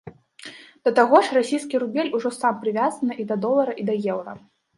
Да таго ж, расійскі рубель ужо сам прывязаны і да долара, і да еўра.